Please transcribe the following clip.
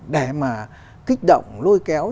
để mà kích động lôi kéo